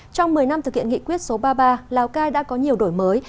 trong một mươi năm thực hiện nghị quyết số ba mươi ba lào cai đã có nhiều đổi mới